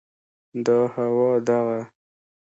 دا هوا، دغه